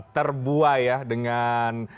terbuai ya dengan